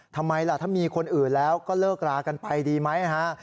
ทำไมล่ะถ้ามีคนอื่นแล้วก็เลิกรากันไปดีไหมฮะ